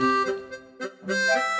assalamualaikum warahmatullahi wabarakatuh